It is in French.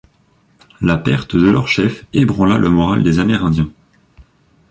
La perte de leur chef ébranla le moral des Amérindiens.